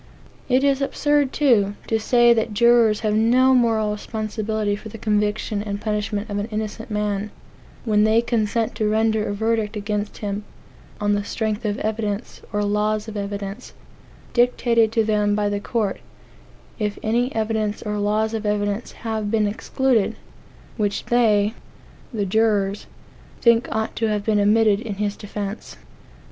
It is absurd, too, to say that jurors have no moral responsibility for the conviction and punishment of an innocent man, when they consent to render a verdict against him on the strength of evidence, or laws of evidence, dictated to them by the court, if any evidence or laws of evidence have been excluded, which they (the jurors) think ought to have been admitted in his defence.